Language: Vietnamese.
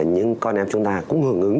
những con em chúng ta cũng hưởng ứng